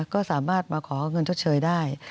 ก็สามารถมาขอเงินชดเชยได้